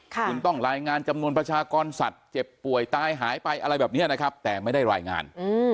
คุณต้องรายงานจำนวนประชากรสัตว์เจ็บป่วยตายหายไปอะไรแบบนี้นะครับแต่ไม่ได้รายงาน